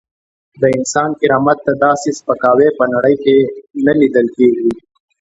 د انسان کرامت ته داسې سپکاوی په نړۍ کې نه لیدل کېږي.